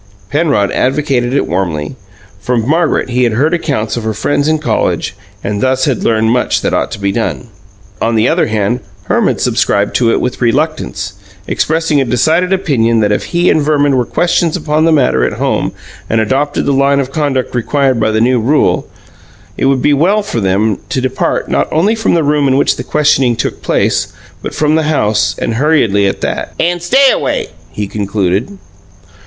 Penrod advocated it warmly. From Margaret he had heard accounts of her friends in college and thus had learned much that ought to be done. On the other hand, Herman subscribed to it with reluctance, expressing a decided opinion that if he and Verman were questioned upon the matter at home and adopted the line of conduct required by the new rule, it would be well for them to depart not only from the room in which the questioning took place but from the house, and hurriedly at that. "An' STAY away!" he concluded.